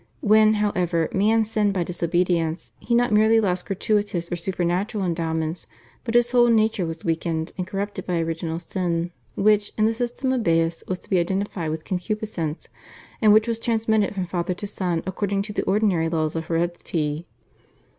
When, however, man sinned by disobedience he not merely lost gratuitous or supernatural endowments, but his whole nature was weakened and corrupted by Original Sin which, in the system of Baius, was to be identified with concupiscence, and which was transmitted from father to son according to the ordinary laws of heredity.